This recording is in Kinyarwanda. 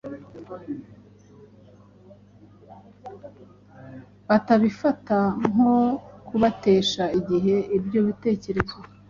batabifata nko kubatesha igihe. Ibyo bitekerezo,